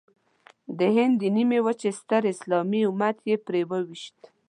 د هند د نیمې وچې ستر اسلامي امت یې پرې وويشت.